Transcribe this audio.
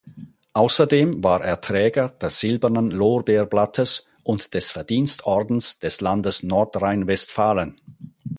Außerdem war er Träger des Silbernen Lorbeerblattes und des Verdienstordens des Landes Nordrhein-Westfalen.